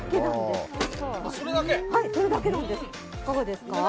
いかがですか？